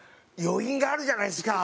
余韻があるじゃないですか。